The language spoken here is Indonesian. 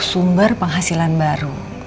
sumber penghasilan baru